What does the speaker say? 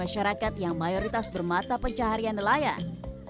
menunjang ekonomi masyarakat yang mayoritas bermata pencaharian nelayan